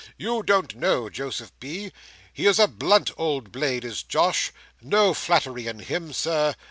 You don't know Joseph B. He is a blunt old blade is Josh. No flattery in him, Sir.